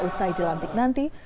usai dilantik nanti